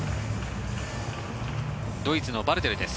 ドイツのバルテルです。